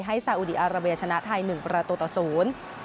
ให้สาอุดีอาราเบียชนะไทย๑ประตูต่อ๐